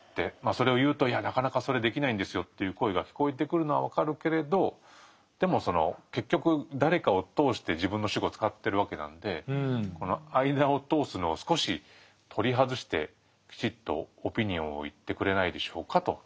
それを言うと「いやなかなかそれできないんですよ」という声が聞こえてくるのは分かるけれどでもその結局誰かを通して自分の主語を使ってるわけなのでこの間を通すのを少し取り外してきちっとオピニオンを言ってくれないでしょうかと。